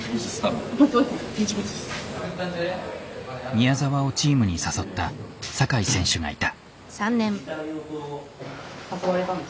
宮澤をチームに誘った酒井選手がいた。